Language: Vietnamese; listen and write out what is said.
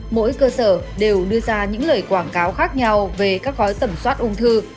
mỗi cơ sở đều đưa ra những lời quảng cáo khác nhau về các gói tẩm soát ung thư